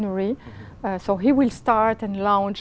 ngo đến việt nam không